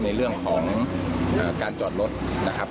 ในเรื่องของการจอดรถนะครับ